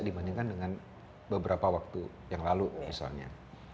dibandingkan dengan beberapa waktu yang lalu misalnya